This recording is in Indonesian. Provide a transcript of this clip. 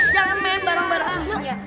jangan main barang barang asurnya